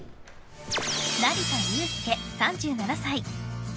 成田悠輔、３７歳。